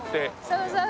そうそう